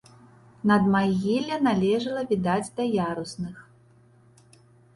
Надмагілле належала, відаць, да ярусных.